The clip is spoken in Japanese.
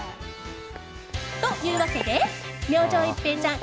というわけで明星一平ちゃん